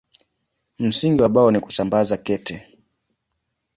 Msingi wa Bao ni kusambaza kete.